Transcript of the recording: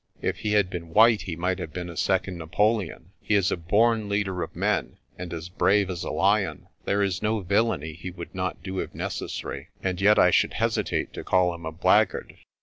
If he had been white he might have been a second Napoleon. He is a born leader of men, and as brave as a lion. There is no villainy he would not do if necessary, and yet I should hesitate to call him a blackguard.